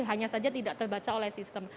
hanya saja tidak terbaca oleh sistem